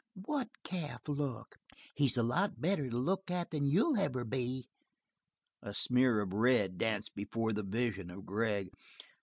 "What calf look? He's a lot better to look at than you'll ever be." A smear of red danced before the vision of Gregg.